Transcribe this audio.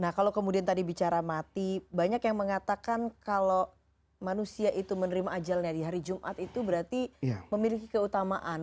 nah kalau kemudian tadi bicara mati banyak yang mengatakan kalau manusia itu menerima ajalnya di hari jumat itu berarti memiliki keutamaan